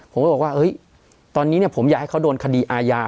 ผมก็บอกว่าตอนนี้ผมอยากให้เขาโดนคดีอาญา